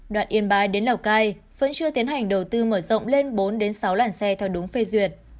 đoạn yên bái đến lào cai vẫn chưa tiến hành đầu tư mở rộng lên bốn sáu làn xe theo đúng phê duyệt